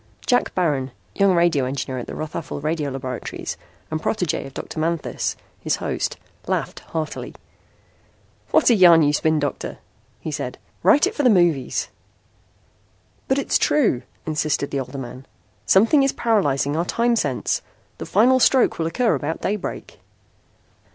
Jack Baron, young radio engineer at the Rothafel Radio laboratories, and protégé of Dr. Manthis, his host, laughed heartily. "What a yarn you spin, Doctor," he said. "Write it for the movies." "But it's true," insisted the older man. "Something is paralyzing our time sense. The final stroke will occur about daybreak."